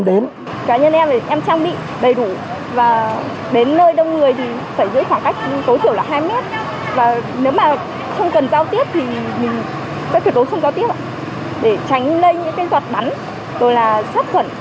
để tránh lây những cái giọt bắn rồi là sát khuẩn